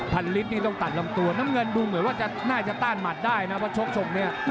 ลิตรนี่ต้องตัดลำตัวน้ำเงินดูเหมือนว่าจะน่าจะต้านหมัดได้นะเพราะชกทรงนี้